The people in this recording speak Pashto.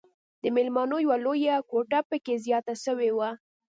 د ميلمنو يوه لويه کوټه پکښې زياته سوې وه.